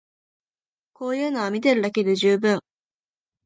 こういうのは見てるだけで充分